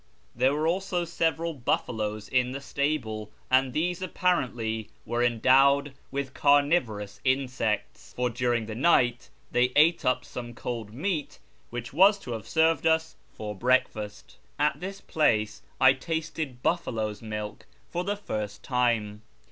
There were also several buffaloes in the stable, and these apparently were endowed with carnivorous instincts, for during the night they ate up some cold meat which was to have served us for breakfast. At this place I tasted buffalo's milk for the first time.